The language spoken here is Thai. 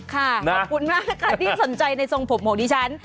ค่ะขอบคุณมากค่ะที่สนใจในส่งผมห่วงดิฉัน